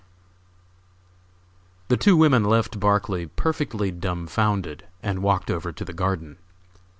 _ The two women left Barclay perfectly dumbfounded and walked over to the garden.